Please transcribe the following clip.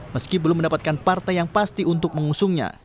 meski belum mendapatkan partai yang pasti untuk mengusungnya